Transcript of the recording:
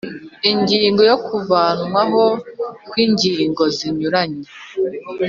Ingingo ya kuvanwaho kw ingingo zinyuranye